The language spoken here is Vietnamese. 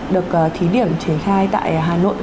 được thí điểm triển khai tại hà nội